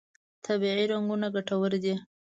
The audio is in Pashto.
طبیعي رنګونه ګټور دي.